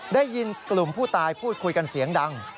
ได้ยินกลุ่มผู้ตายพูดคุยกันเสียงดัง